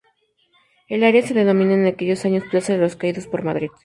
El área se denomina en aquellos años "plaza de los caídos por Madrid".